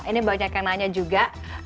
ini banyak yang nanya juga